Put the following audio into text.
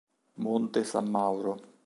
Monte San Mauro